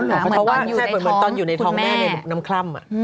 เหมือนตอนอยู่ในท้องคุณแม่ในน้ำคล่ำอะ